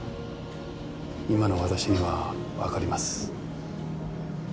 今の私にはわかります。